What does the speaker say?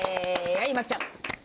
はい麻貴ちゃん。